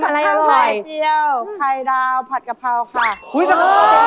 นะฮะเป็นค่าสินสด